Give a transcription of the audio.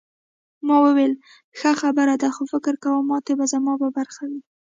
ما وویل ښه خبره ده خو فکر کوم ماتې به زما په برخه وي.